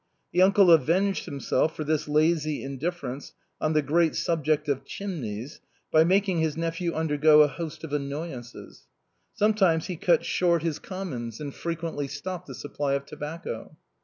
The uncle avenged himself for this lazy indif ference on the great subject of chimneys by making his nephew undergo a host of annoyances. Sometimes he cut short his commons, and frequently stopped the supply of tobacco.